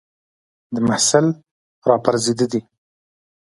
د محصل را پرځېده دي